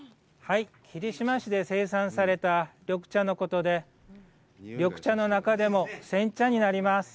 霧島市で生産された緑茶のことで、緑茶の中でも煎茶になります。